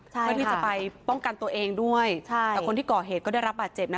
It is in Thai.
เพื่อที่จะไปป้องกันตัวเองด้วยใช่แต่คนที่ก่อเหตุก็ได้รับบาดเจ็บนะ